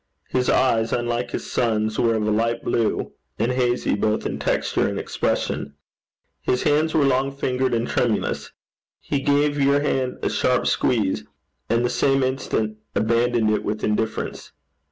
His eyes, unlike his son's, were of a light blue, and hazy both in texture and expression. His hands were long fingered and tremulous. He gave your hand a sharp squeeze, and the same instant abandoned it with indifference.